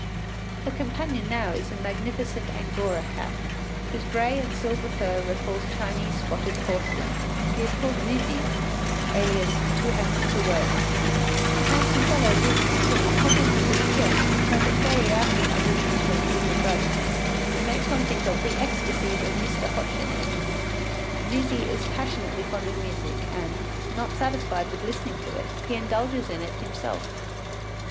Her companion now is a magnificent angora cat, whose gray and silver fur recalls Chinese spotted porcelain. He is called Zizi, alias “Too Handsome to Work.” The handsome fellow lives in a sort of contemplative kief, like a theriaki under the influence of the drug, and makes one think of “The Ecstasies of Mr. Hochenez.” Zizi is passionately fond of music, and, not satisfied with listening to it, he indulges in it himself.